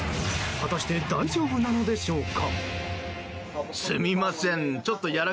果たして大丈夫なのでしょうか。